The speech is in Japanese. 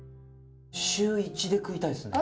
週１で食いたいですね。